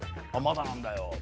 「まだなんだよ」